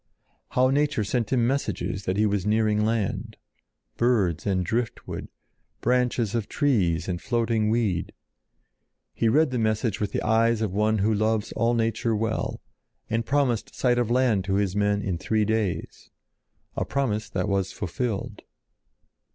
How nature sent him messages that he was nearing land—birds and driftwood, branches of trees and floating weed. He read the message with the eyes of one who loves all nature well, and promised sight of land to his men in three days, a promise that was fulfilled.